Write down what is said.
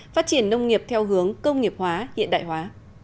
phát triển nông nghiệp theo hướng công nghiệp hóa hiện đại hóa